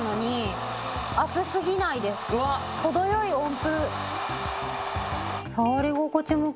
程良い温風。